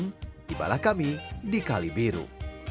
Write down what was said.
dan tibalah kami di kali biru